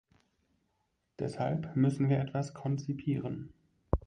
Deshalb müssen wir etwas konzipieren.